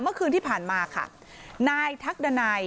เมื่อคืนที่ผ่านมาค่ะนายทักดันัย